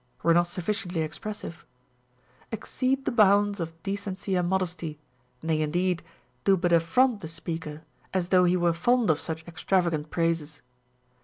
were not sufficiently expressive), exceed the bounds of decency and modesty, nay indeed, do but affront the speaker, as though he were fond of such extravagant praises.